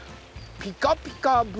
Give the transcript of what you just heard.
「ピカピカブ！